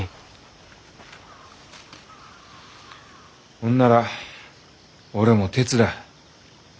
ほんなら俺も手伝う。